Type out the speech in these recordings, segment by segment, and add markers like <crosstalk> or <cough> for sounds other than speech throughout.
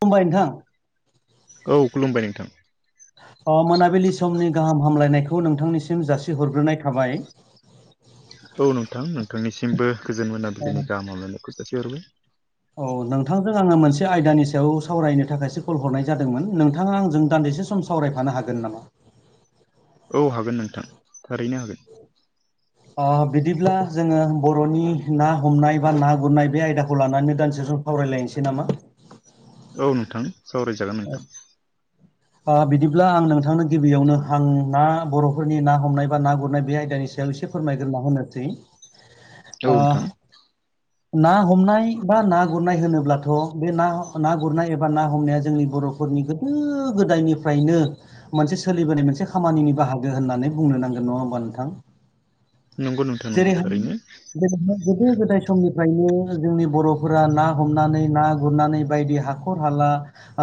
खुमबाय नोंथां। औ खुलुमबाय नोंथां। अ मोनाबिलि समनि गाहाम हामलायनायखौ नोंथांनिसिम जासिहरग्रोनाय थाबाय। औ नोंथां नोंथांनिसिमबो गोजोन मोनाबिलिनि गाहामहामग्लायनायखौ जासि हरबाय। औ नोंथांजों आङो मोनसे आयदानि सायाव सावरायनो थाखायसो कल हरनाय जादोंमोन नोंथाङा आंजों दान्दिसे सम सावरायफानो हागोन नामा? औ हागोन नोंथां थारैनो हागोन। अ बिदिब्ला जोङो बरनि ना हमनाय बा ना गुरनाय बे आयदाखौ लानानै दानदिसे सम सावरायलायनोसै नामा। औ नोंथां सावरायजागोन नोंथां। बिदिब्ला आं नोंथांनो गिबियावनो हां ना बर'फोरनि ना हमनाय बा ना गुरनाय बे आयदानि सायाव एसे फोरमायग्रोना होनोसै। <inaudible> आ ना हमनाय बा ना गुरनाय होनोब्लाथ' बे ना ना गुरनाय एबा ना हमनाया जोंनि बर' फोरनि गोदो गोदायनिफ्रायनो मोनसे सोलिबोनाय मोनसे खामानिनि बाहागो होननानै बुंनो नांगोन नङा होमबा नोंथां। नंगौ नोंथां नंगौ जेरैहाय थारैनो। <unintelligible> गोदो गोदाय समनिफ्रायनो जोंनि बरफोरा ना हमनानै ना गुरनानै बायदि हाख खर हाला,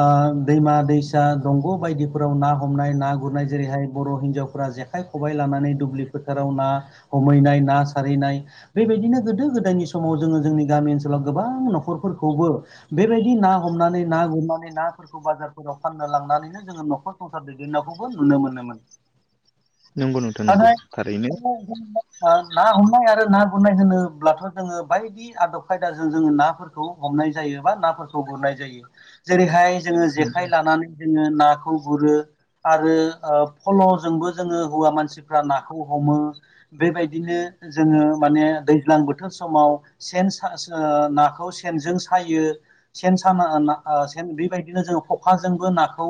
ओ दैमा दैसा, सा दंग' बायदिफोराव ना हमनाय ना गुरनाय जेरैहाय बर' हिन्जावफोरा जेखाइ खबाइ लानानै दुब्लि फोथाराव ना हमहैनाय ना सारहैनाय, बेबायदिनो गोदो गोदायनि समाव जोङो जोंनि गामि ओनसोलाव गोबां न'खरफोरखौबो बेबायदि ना हमनानै ना गुरनानै नाफोरखौ बाजारफोराव फाननो लांनानैनो जोङो नखर संसार दैदेननायखौबो नुनो मोनोमोन। नंगौ नोंथां नंगौ आहाय थारैनो <inaudible> ना हमनाय आरो ना गुरनाय होनोब्लाथ' जोङो बायदि दि आदब खायदाजों जोङो नाफोरखौ हमनाय जायो बा नाफोरखौ गुरनाय जायोश जेरैहाय जोङो जेखाइ लानानै जोङो नाखौ गुरो। आरो फल'जोंबो जोङो हौवा मानसिफ्रा नाखौ हमो। बेबायदिनो जोङो माने दैज्लां बोथोर समाव सेन सा सा ओ नाखौ सेनजों सायो। सेन साना ना ओ बेबायदिनो जों खखाजोंबो नाखौ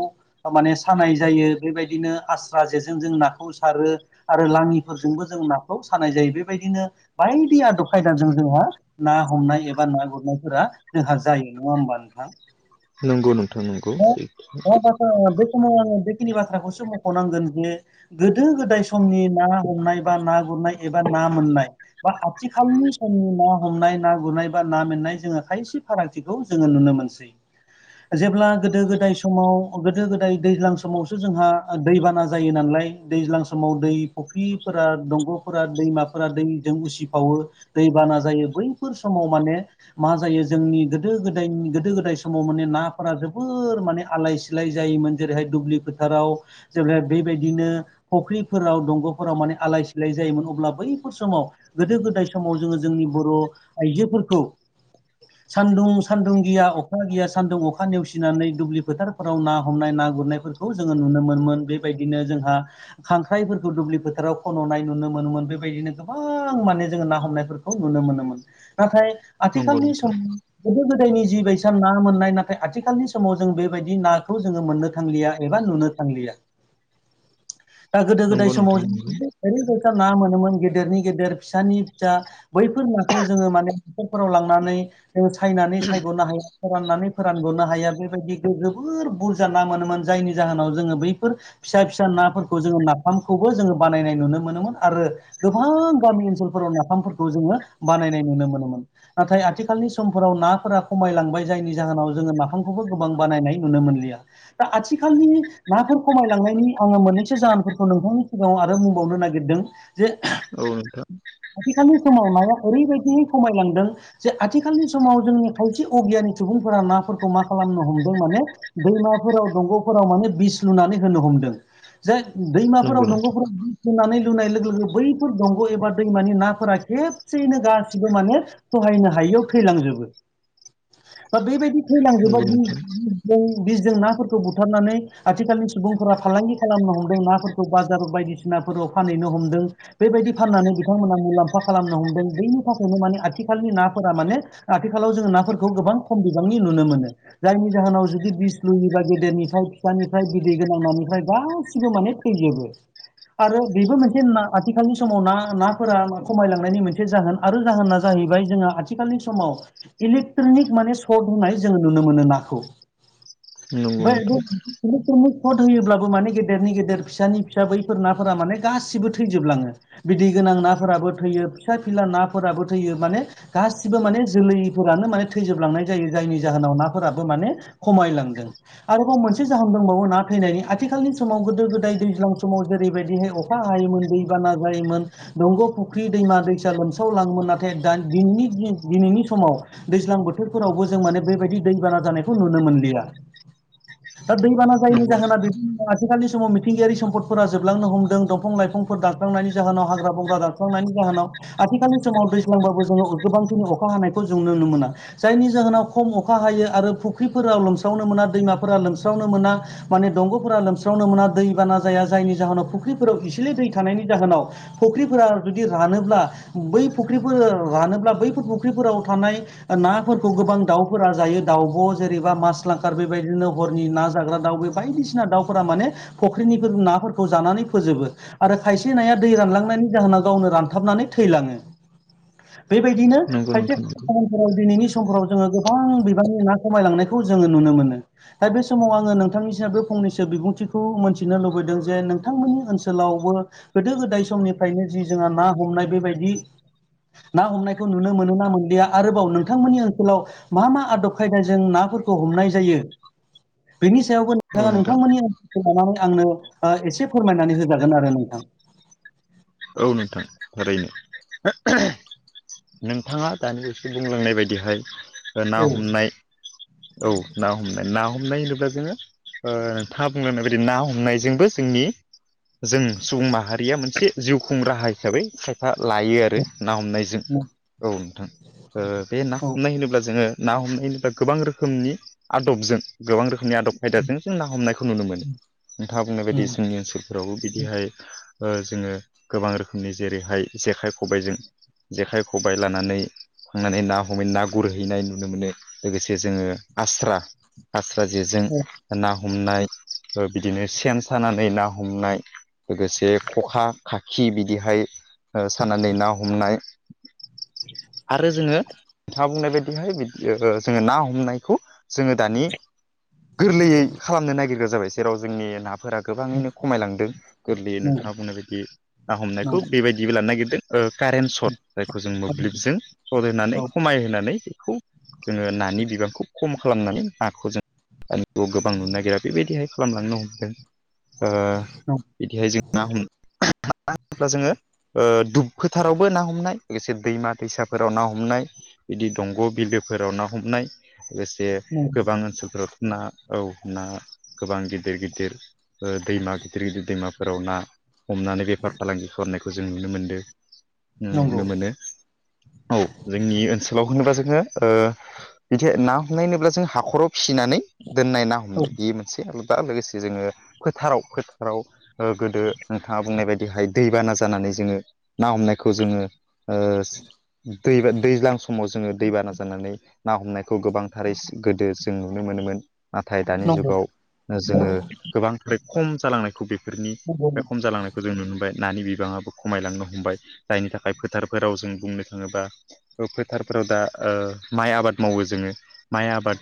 माने सानाय जायो बेबायदिनो आस्रा जेजों जों नाखौ सारो। आरो लाङिफोरजोंबो जों नाखौ सानाय जायो बेबायदिनो बायदि आदब खायदाजों जोंहा ना हमनाय एबा ना गुरनायफोरा जोंहा जायो नङा होमबा नोंथा। नंगौ नोंथां नंगौ। बाथ्रा बे समाव आङो बेखिनि बाथ्राखौसो मख'नांगोन इदनो गोदो गोदाय समनि ना हमनाय बा ना गुरनाय एबा ना मोननाय बा आथिखालनि समनि ना हमनाय ना गुरनाय बा ना मोननाय जोङो खायसे फारागथिखौ जोङो नुनो मोनो। सै जेब्ला गोदो गोदाय समाव गोदो गोदाय दैज्लां समावसो जोंहा दैबाना जायो नालाय दैज्लां समाव दै फुख्रिफोरा दंगफोरा दैमाफोरा दैजों उसिफावो। दैबाना जायो बैफोर समाव माने मा जायो जोंनि गोदो गोदायनि गोदो गोदाय समाव माने नाफोरा जोब बोर माने आलाय सिलाय जायोमोन जेरैहाय दुब्लि फोथाराव जेब्ला बेबायदिनो फख्रिफोराव दंगफोराव माने आलाय सिलाय जायोमोन अब्ला बैफोर समाव गोदो गोदाय समाव जोङो जोंनि बर‌' आइजोफोरखौ सान्दुं सान्दुं गिया, अखा गिया सान्दुं अखा नेवसि नानै दुब्लि फोथारफोराव ना हमनाय ना गुरनायफोरखौ जोङो नुनो मोनोमोन बेबायदिनो जोंहा खांख्राइफोरखौ दुब्लि फोथाराव खन'नाय नुनो मोनोमोन। बेबायदिनो गोबां माने जोङो ना हमनायफोर खौ नुनो मोनोमोन। नाथाय नंगौ आथिखालनि नोंथां सम गोदो गोदायनि जि बायसा ना मोननाय नाथाय आथिखाल नि समाव जों बेबायदि नाखौ जोङो मोननो थांलिया एबा नुनो थांलिया। दा गोदो गोदाय नंगौ समाव नोंथां नंगौ जों ओरै‌बायसा ना मोनोमोन गेदेरनि गेदेर फिसानि फिसा। बैफोर नाखौ जोङो माने न'फोराव लांनानै सायनानै सायग'नो हाया फोराननानै फोरानग'नो हाया बेबादि जोबोर बुरजा ना मोनोमोन जायनि जाहोनाव जोङो बैफोर फिसा फिसा नाफोरखौ जोङो नाफामखौबो जोङो बानायनाय नुनो मोनोमोन आरो गोबां गामि ओनसोलफोराव नाफामफोरखौ जोङो बानायनाय नुनो मोनोमोन। नाथाय आथिखालनि समफोराव नाफोरा खमायलांबाय जायनि जाहोनाव जोङो नाफामखौबो गोबां बानायनाय नुनो मोनलिया। दा आथिखालनि नाफोर खमायलांनायनि आङो मोननैसो जाहोनफोरखौ नोंथांनि सिगाङाव आरो बुंबावनो नागिरदों। जे औ नोंथां। आथिखालनि समाव माजाखो ओरैबायदियै खमायलांदों। जे आथिखालनि समाव जोंनि खायसे अगियानि सुबुंफोरा नाफोरखौ मा खालामनो हमदों माने दैमाफोराव दंग'फोराव माने बिस लुनानै होनो हमदों। जाय नंगौ दैमाफोराव नोंथां दंग'फोराव बिदि बिस लुनानै लोगो लोगो बैफोर दंग' एबा दैमानि नाफोरा खेबसेयैनो गासिबो माने सहायनो हायियाव थैलांजोबो। दा बेबायदि थैलांजोबबा नंगौ नोंथां बिसजों नाफोरखौ बुथारनानै आथिखालनि सुबुंफोरा फालांगि खालामनो हमदों नाफोरखौ। बाजार बायदिसिनाफोराव फानहैनो हमदों। बेबायदि फाननानै बिथांमोना मुलाम्फा खालामनो हमदों बेनि थाखायनो माने आथिखालनि नाफोरा माने आथिखालाव जोङो नाफोरखौ गोबां खम बिबांनि नुनो मोनो। जायनि जाहोनाव जुदि बिस लुयोबा गेदेरनिफ्राय फिसानिफ्राय बिदै गोनांनिफ्राय गासिबो माने थैजोबो। आरो बेबो मोनसे आथिखालनि समाव ना नाफोरा खमायलांनायनि मोनसे जाहोन आरो जाहोना जाहैबाय जोङो आथिखालनि समाव इलेक्ट्रनिक माने सर्ट होनाय जोङो नुनो मोनो ना खौ। नों बे इलेक्ट्रनिक सर्ट होयोब्लाबो माने गेदेरनि गेदेर फिसानि फिसा बैफोर नाफोरा माने गासिबो थैजोबलाङो बिदै गोनां नाफोराबो थैयो फिसा फिला नाफोराबो थैयो माने गासिबो माने जोलैफोरानो माने थैजोबलांनाय जायो जायनि जाहोनाव नाफोरा बो माने खमायलांदों। आरोबाव मोनसे जाहोन दंबावो ना थैनायनि, आथिखालनि समाव गोदो गोदाय दैज्लां समाव जेरैबायदिहाय अखा हायोमोन दैबाना जायोमोन दंग' फुख्रि दैमा दैसा लोमसावलाङोमोन नाथाय दानि दिनैनि दिनैनि समाव दैज्लां बोथोरफोरावबो जों माने बेबायदि दैबाना जानायखौ नुनो मोनलिया। दा दैबाना नंगौ जायैनि जाहोना नोंथां आथिखालनि समाव मिथिंगायारि सम्पदफोरा जोबलांनो हमदों दंफां लाइफां फोर दानस्रांनायनि जाहोनाव हाग्रा बंग्रा दानस्रांनायनि जाहोनाव। आथिखालनि समाव दैज्लांबाबो जोङो गोबांखिनि अखा हानायखौ जों नुनो मोना। जायनि जाहोनाव खम अखा हायो आरो फुख्रिफोराव लोमस्रावनो मोना दैमाफोरा लोमस्रावनो मोना। माने दंग'फोरा लोमस्रावनो मोना दै बाना जाया जायनि जाहोनाव फुख्रिफोराव इसेलै दै थानायनि जाहोनाव फुख्रिफोरा जुदि रानोब्ला बै फुख्रिफोर रानोब्ला बैफोर फुख्रिफोराव थानाय नाफोरखौ गोबां दाउफोरा जायो दाउब' जेरैबा मास लांखार बेबायदिनो हरनि ना जाग्रा दाउ बे बायदिसिना दाउफोरा माने फुख्रिनि नाफोरखौ जानानै फोजोबो। आरो खायसे नाया दै रानलांनायनि जाहोनाव गावनो रानथाबनानै थैलाङो। बेबायदिनो नंगौ फायथि नोंथां नंगौ खफोराव दिनैनि समफोराव जोङो गोबां बिबांनि ना खमायलांनायखौ जोङो नुनो मोनो। दा बे समाव आङो नोंथांनिसिम बे फंनैसो बिबुंथिखौ मोनथिनो लुबैदों जे नोंथांमोननि ओनसोलावबो गोदो गोदाय समनिफ्रायनो जि जोंहा ना हमनाय बेबायदि ना हमनायखौ नुनो मोनो ना मोनलिया आरोबाव नोंथांमोननि ओनसोलाव मा मा आदब खायदाजों नाफोरखौ हमनाय जायो बेनि सायावबो औ नोंथाङा नोंथां नोंथांमोननि ओन लानानै आंनो ओ एसे फोरमायनानै होजागोन आरो नोंथां औ नोंथां थारैनो नोंथाङा दानि बावैसो बुंलांनाय बायदिहाय ओ ना औ हमनाय औ ना हमनाय ना हमनाय होनोब्ला जोङो ओ नोंथाङा बुंलांनाय बायदि ना हमनायजोंबो जोंनि जों सुबुं माहारिया मोनसे जिउ खुं राहा हिसाबै फा लायो आरो ना हमनायजों औ नोंथां ओ बे ना औ हमनाय होनोब्ला जोङो ना हमनायनिबा गोबां रोखोमनि आदबजों गोबां रोखोमनि आदब आयदाजों जों ना हमनायखौ नुनो मोनो नोंथाङा बुंनाय बायदि जोंनि ओनसोल फोरावबो बिदिहाय ओ जोङो गोबां रोखोमनि जेरैहाय जेखाइ खबाइजों जेखाइ खबबाय लानानै थांनानै ना हमै ना गुरहैनाय नुनो मोनो लोगोसे जोङो आस्रा आस्रा जेजों ना हमनाय बिदिनो सेन सानानै ना हमनाय लोगोसे खखा खाखि बिदिहाय ओ सानानै ना हमनाय आरो जोङो नोंथाङा बुंनाय बायदिहाय बि ओ जोङो ना हमनायखौ जोङो दानि गोरलैयै खालामनो नागिरग्रा जाबाय जेराव जोंनि नाफोरा उम नंगौ गोबाङैनो खमायलांदों गोरलैयै नोंथाङा बुंनाय बायदि ना हमनायखौ नंगौ बेबायदिबो लानो नागिरदों ओ कारेन्ट सर्ट जायखौ जों औ मोब्लिबजों सट औ होनानै खमायहोनानै बेखौ जोङो नानि बिबांखौ खम खालामनानै नाखौ जों आरोआव गोबां नुनो नागिरा बेबायदिहाय खालामलांनो हमदों ओ नं बिदिहाय जों मा हम मा होनोब्ला जोङो ओ दुब फोथारावबो ना हमनाय लोगोसे दैमा दैसाफोराव ना हमनाय बिदि दंग बिलोफोराव ना हमनाय लोगोसे नं गोबां ओनसोलफोराव ना औ ना गोबां गिदिर गिदिर ओ दैमा गिदिर गिदिर दैमाफोराव ना हमनानै बेफार फालांगि खालामनायखौ जों नुनो मोनदो नंगौ नुनो मोनो। औ जोंनि ओनसोलाव होनोब्ला जोङो ओह बिदि ना हमनाय होनोब्ला जों हाखराव फिसिनानै दोननाय ना हम औ बे मोनसे आलादा लोगोसे जोङो फोथाराव फोथाराव ओ गोदो नोंथाङा बुंनाय बायदिहाय दैबाना जानानै जोङो ना हमनायखौ जोङो ओ दै दैज्लां समाव जोङो दैबाना जानानै ना हमनायखौ गोबांथारै गोदो जों नुनो मोनोमोन। नाथाय दानि नंगौ जुगाव ओ जोङो गोबांथार खम जालांनायखौ बेफोरनि नंगौ बे खम जालांनाय खौ जों नुनो मोनबाय नानि बिबाङाबो खमायलांनो हमबाय जायनि थाखाय फोथारफोराव जों बुंनो थाङोबा फोथारफोराव दा ओ माइ आबाद मावो जोङो माइ आबाद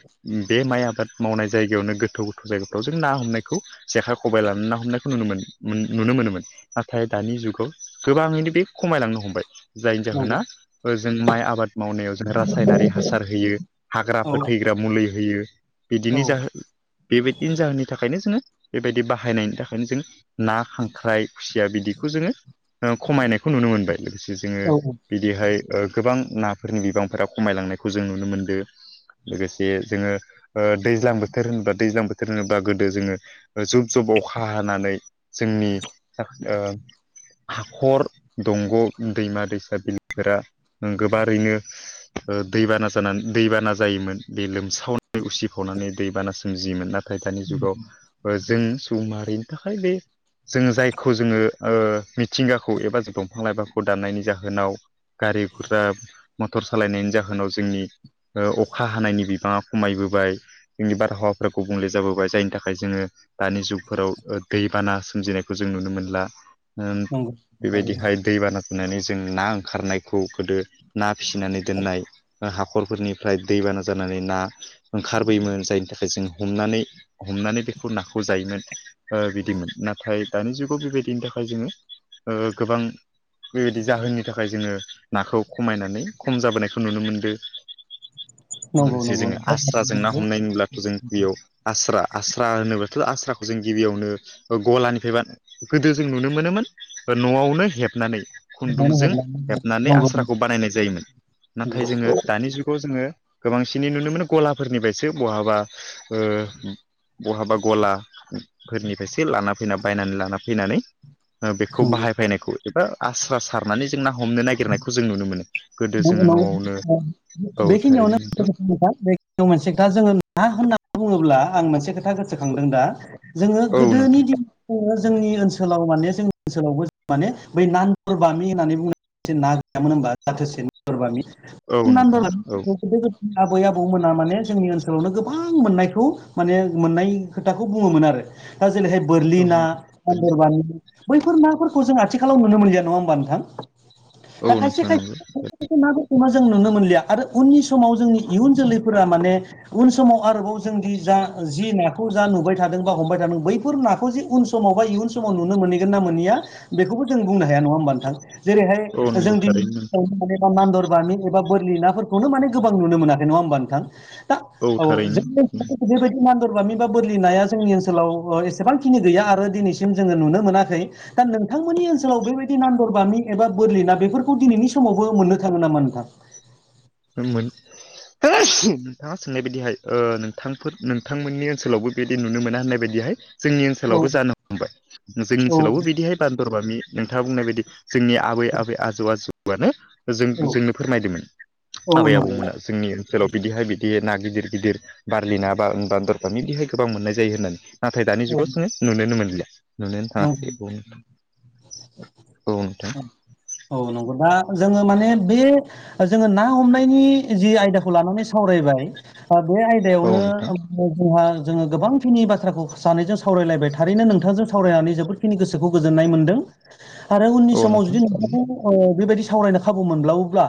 बे माइ आबाद मावनाय जायगायावनो गोथौ जायगाफ्राव जों ना हमनायखौ जेखाइ खबाय लानानै ना हमनायखौ नुनो मोनो। मोन नुनो मोनोमोन नाथाय दानि जुगाव गोबाङैनो बे खमायलांनो हमबाय। जायनि नंगौ जाहोना जों माइ आबाद मावनायाव जों रासायनारि हासार होयो, हाग्रा औ फोथैग्रा मुलै होयो। औ बिदिनो जाहोन बेबायदिनि जाहोननि थाखायनो जोङो बेबायदि बाहायनायनि थाखायनो जों ना, खांख्राइ खुसिया बिदिखौ जोङो ओ खमायनायखौ नुनो मोनबाय। लोगोसे जोङो औ बि बेहाय ओ गोबां नाफोरनि बिबांफोरा खमायलांनायखौ जों नुनो मोनदो। लोगोसे जोङो ओ दैज्लां बोथोर होनबा दैज्लां बोथोर होनोबा गोदो जोङो जुब - जुब अखा हानानै जोंनि ओह हाखर, दंग', दैमा, दैसा बिलोफोरा ओ गोबारैनो ओ दैबाना जानानै दैबाना जायोमोन बे लोमसावनानै उसिफावनानै दैबाना सोमजियोमोन। नाथाय दानि जुगाव जों सुबुं माहारिनि थाखाय बे जोङो जायखौ जोङो ओ मिथिंगाखौ एबा दंफां लाइफांखौ दाननायनि जाहोनाव गारि गुरा मटर सालायनायनि जाहोनाव जोंनि ओ अखा हानायनि बिबाङा खमायबोबाय। जोंनि बारहावाफोरा गुबुंले जाबोबाय जायनि थाखाय जोङो दानि जुगफोराव दैबाना सोमजिनायखौ जों नुनो मोनला ओम नंगौ थारैनो बेबायदिहाय दैबाना नानै जों ना ओंखारनायखौ गोदो ना फिसिनानै दोननाय ओ हाखरफोरनिफ्राय दैबाना जानानै ना ओंखारबोयोमोन जायनि थाखाय जों हमनानै-हमनानै बेखौ नाखौ जायोमोन। ओ बिदिमोन नाथाय दानि जुगाव बेबायदिनि थाखाय जोङो ओ गोबां बेबायदि जाहोननि थाखाय जोङो नाखौ खमायनानै खम जाबोनायखो नुनो मोनदो। नंगौ लोगोसे नंगौ जोङो नोंथां आस्राजों ना थारैनो हमनाय नुलाथु जों बेयाव आस्रा-आस्रा होनोबाथ' आस्राखौ जों गिबियावनो ओ गलानिफ्राय बान गोदो जों नुनो मोनोमोन न'आवनो हेबनानै नंगौ खुन्दुंजों नंगौ नंगौ हेबनानै नंगौ आस्राखौ बानायनाय जायोमोन। नाथाय नंगौ जोङो दानि जुगाव जोङो गोबांसिनै नुनो मोनो गलाफोरनिफायसो बहाबा ओ बहाबा गलाफोरनिफ्रायसो लाना जोंना बायनानै लाना फैनानै ओ बेखौ नंगौ बाहायफैनायखौ एबा आस सारनानै जों ना हमनो नागिरनायखौ जों नुनो मोनो। गोदो जोङो न'आवनो औ <unintelligible> थारैनो बेखिनियावनो नोंथां <unintelligible> मोनसे खोथा जोङो ना होननानै बुङोब्ला आं मोनसे खोथा गोसोखांदों दा। जोङो औ नोंथां गोदोनि दिन जोङो जोंनि ओनसोलाव माने जोंनि ओनसोलावबो माने बै नानदर बामि होननानै बुंनाय जे ना गैयामोन होनबा जाथोसे नान्दर बामि औ नोंथां औ <unintelligible> आबै आबौमोना माने जोंनि ओनसोलावनो गोबां मोननायखौ माने मोननाय खोथाखौ बुङोमोन आरो। दा जेरैहाय बोरलि औ ना नोंथां थारैनो पान्दर बामि बैफोर नाफोरखौ जों आथिखालाव नुनो मोनलिया नङा होमबा नोंथां‌। औ दा नोंथां खायसे-खायसे नंगौ खायसे-खायसे नाफोर खौबो जों नुनो मोनलिया आरो उननि समाव जोंनि इयुन जोलैफोरा माने उन समाव आरोबाव जोंदि जा जि नाख खौ जा नुबाय थादों बा हमबाय थादों बैफोर नाखौ जे उन समाव बा इयुन समाव नुनो मोनहैगोन ना मोनहैया बेखौबो जों बुंनो हाया नङा होमबा नोंथां औ जेरैहाय नंगौ जों दिन थारैनो नोंथां <unintelligible> बान्दर बामि एबा बोरलि नाफोरखौनो माने गोबां नुनो मोनाखै नङा होमबा नोंथां। ता औ जों <unintelligible> बेबादि बान्दरबामि बा बोरलि नाया जोंनि ओनसोलाव ओ एसेबांखिनि गैया आरो दिनैसिम जोङो नुनो मोनाखै। दा नोंथांमोननि ओनसोलाव बेबायदि नान्दरबामि एबा बोरलि ना बेफोरखौ दिनैनि स समावबो मोननो थाङो नामा नोंथां ओं मोन नोंथाङा सोंनाय बायदिहाय ओ नोंथांफोर नोंथांमोननि ओनसोलावबो बेदि नुनो मोना होननाय बायदिहाय जोंनि औ ओनसोलावबो जानो हमबाय जोंनि औ ओनसोलावबो बिदिहाय बान्दरबामि नोंथाङा बुंनाय बायदि जोंनि आबै आबै आजौ आजौ आनो औ जों-जोंनो फोरमायदोंमोन। औ आबै नंगौ आबौमोना जोंनि ओनसोलाव बिदिहाय बिदि ना गिदिर गिदिर बारलि ना बा-बान्दर बामि बिदिहाय गोबां मोननाय जायो होननानै नाथाय दानि जुगाव जोङो नुनोनो मोनलिया। नुनोनो नंगौ थाङासै औ नोंथां। औ नंगौ दा जोङो माने बे जोङो ना हमनायनि जि आयदाखौ लानानै सावरायबाय ओ बे आय औ दायावनो नोंथां जोंहा जोङो गोबांखिनि बाथ्राखौ सानैजों सावरायलायबाय थारैनो नोंथांजों सा सावरायनानै जोबोदखिनि गोसोखौ गोजोननाय मोनदों आरो उननि औ समाव जुदि नोंथां नोंथांजों ओ बेबायदि सावरायनो खाबु मोनब्लावोब्ला